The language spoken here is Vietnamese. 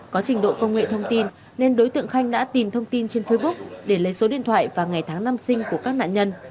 có trình độ công nghệ thông tin nên đối tượng khanh đã tìm thông tin trên facebook để lấy số điện thoại vào ngày tháng năm sinh của các nạn nhân